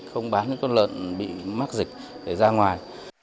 không bán những con lợn bị mắc dịch để ra ngoài